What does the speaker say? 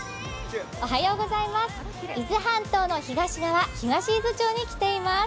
伊豆半島の東側東伊豆町に来ています。